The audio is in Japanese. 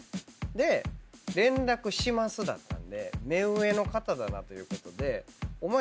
で「連絡します」だったんで目上の方だなということでお前